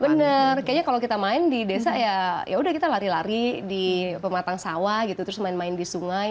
bener kayaknya kalau kita main di desa ya yaudah kita lari lari di pematang sawah gitu terus main main di sungai